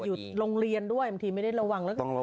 อยู่โรงเรียนด้วยส่วนใหญ่ไม่ได้ระวังแล้วก็มันจะต้อง